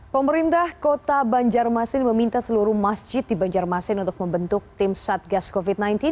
pemerintah kota banjarmasin meminta seluruh masjid di banjarmasin untuk membentuk tim satgas covid sembilan belas